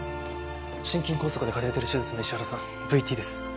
心筋梗塞でカテーテル手術の石原さんＶＴです